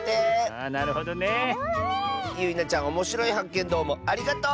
あなるほどね。なるほどね。ゆいなちゃんおもしろいはっけんどうもありがとう！